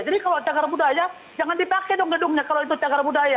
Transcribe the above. jadi kalau cagar budaya jangan dipakai dong gedungnya kalau itu cagar budaya